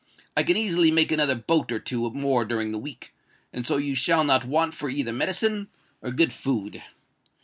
I can easily make another boat or two more during the week; and so you shall not want for either medicine or good food."